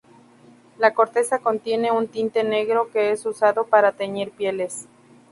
La corteza contiene un tinte negro que es usado para teñir pieles.